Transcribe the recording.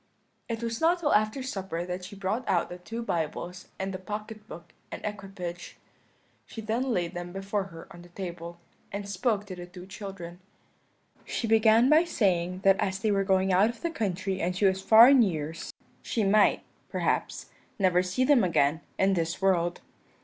"It was not till after supper that she brought out the two Bibles and the pocket book and equipage. She then laid them before her on the table, and she spoke to the two children: "She began by saying that as they were going out of the country and she was far in years, she might, perhaps, never see them again in this world.